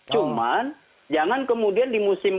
cuman jangan kemudian di musim